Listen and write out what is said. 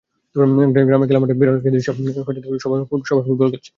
গ্রামের খেলার মাঠে বিরল একটি দৃশ্য অনেককে অবাক করবে—ফুটবল খেলছে গ্রামের মেয়েরা।